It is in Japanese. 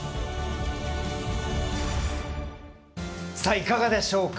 いかがでしょうか。